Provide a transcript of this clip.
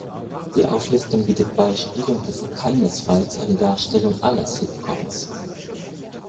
Die Auflistung bietet Beispiele und ist keinesfalls eine Darstellung aller Sitcoms.